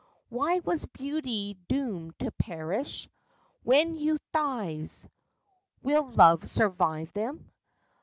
Why was beauty doomed to perish When youth dies ? Will love survive them